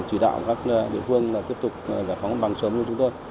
chỉ đạo các địa phương là tiếp tục giải phóng mặt bằng sớm cho chúng tôi